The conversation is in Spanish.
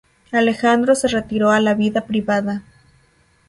Alejandro se retiró a la vida privada.